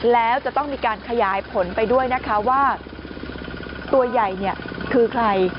แล้วจะต้องมีการขยายผลไปด้วยนะคะว่าตัวใหญ่คือใคร